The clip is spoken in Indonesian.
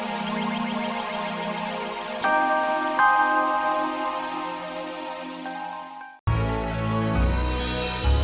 aku harus bicara sama kamu antoni